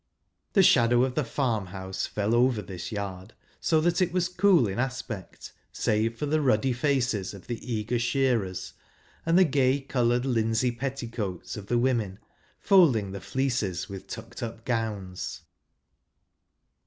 The shadow of the ! farm house fell over this yard, so that it was ' cool in aspect, save for the ruddy faces of the j eager sheai'ers, and the gay coloured linsey ; petticoats of the women, folding the fleeces j with tucked up gowns.